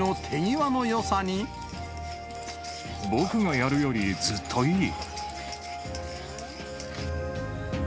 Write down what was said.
僕がやるよりずっといい。